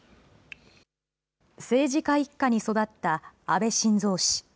政治家一家に育った安倍晋三氏。